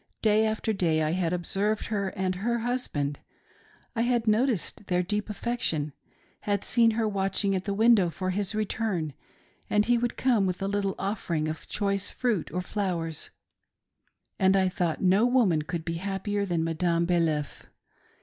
Day after day I had observed her and her husband, I had noticed their deep affec tion ; had seen her watching at the window for his return ; and he would come with a little offering of choice fruit or flow ers : and I thought no woman could be happier than Madame Baliff.